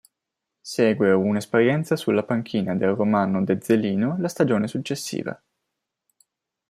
Segue un'esperienza sulla panchina del Romano d'Ezzelino la stagione successiva.